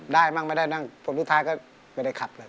ได้มั้งไม่ได้นั่งพบทุกท้ายก็ไม่ได้ขับเลย